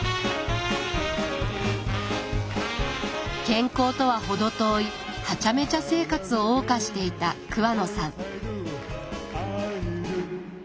健康とは程遠いハチャメチャ生活をおう歌していた桑野さん。